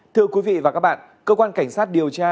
thưa quý vị và các bạn cơ quan cảnh sát điều tra